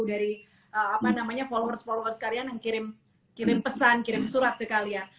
dari apa namanya followers followers kalian yang kirim pesan kirim surat ke kalian